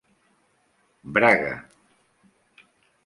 Braga.